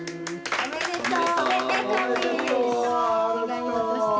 おめでとう。